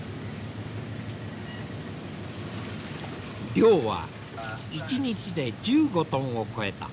漁は１日で１５トンを超えた。